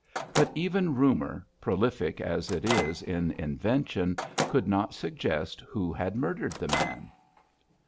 But even rumour, prolific as it is in invention, could not suggest who had murdered the man.